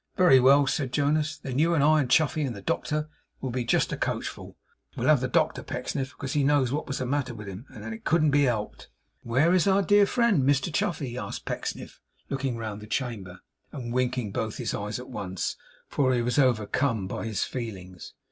'Very well,' said Jonas; 'then you, and I, and Chuffey, and the doctor, will be just a coachful. We'll have the doctor, Pecksniff, because he knows what was the matter with him, and that it couldn't be helped.' 'Where is our dear friend, Mr Chuffey?' asked Pecksniff, looking round the chamber, and winking both his eyes at once for he was overcome by his feelings.